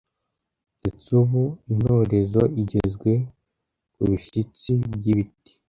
Ndetse ubu intorezo igezwe ku bishyitsi by’ibiti